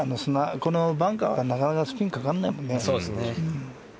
このバンカーはなかなかスピンかからないもんね。